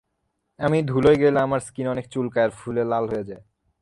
আমি ধুলায় গেলে আমার স্কিন অনেক চুলকায় আর ফুলে লাল হয়ে যায়।